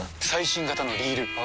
最新型のリール！